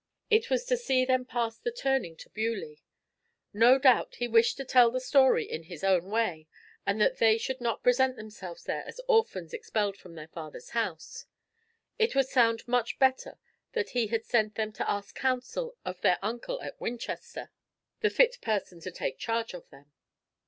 It was to see them past the turning to Beaulieu. No doubt he wished to tell the story in his own way, and that they should not present themselves there as orphans expelled from their father's house. It would sound much better that he had sent them to ask counsel of their uncle at Winchester, the fit person to take charge of them.